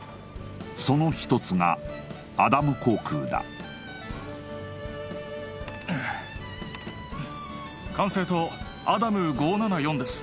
その一つがアダム航空だ管制塔アダム５７４です